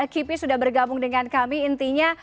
kipi sudah bergabung dengan kami intinya